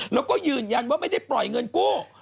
แล้วก็ยืนยันว่าไม่ได้ปล่อยเงินกู้